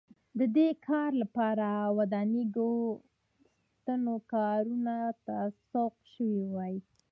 د دې کار لپاره ودانیزو ستنو کارونو ته سوق شوي وای